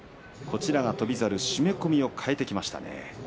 翔猿締め込みを替えていきましたね。